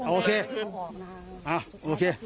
โอเคอ่ะโอเค